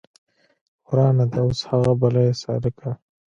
ورانه ده اوس هغه بلۍ سالکه